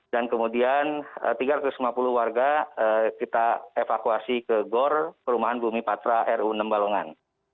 dan kemudian tiga ratus lima puluh warga kita evakuasi ke gor perumahan bumi patra ru enam balongan